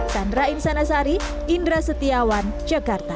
sandra insanasari indra setiawan jakarta